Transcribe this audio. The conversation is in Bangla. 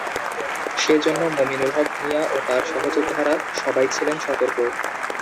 সে জন্য মমিনুল হক ভূঁইয়া ও তার সহযোদ্ধারা সবাই ছিলেন সতর্ক।